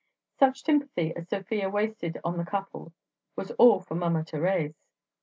Such sympathy as Sofia wasted on the couple was all for Mama Thérèse.